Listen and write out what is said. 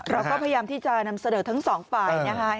เราก็พยายามที่จะนำเสนอทั้งสองฝ่ายนะคะ